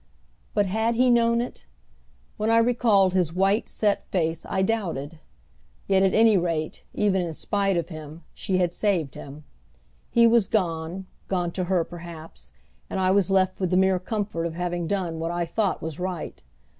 But, had he known it? When I recalled his white, set face I doubted. Yet at any rate, even in spite of him, she had saved him. He was gone, gone to her perhaps, and I was left with the mere comfort of having done what I thought was right.